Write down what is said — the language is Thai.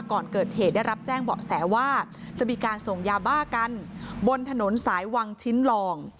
ก่อนเกิดเหตุได้รับแจ้งเบาะแสว่าจะมีการส่งยาบ้ากันบนถนนสายวังชิ้นลอง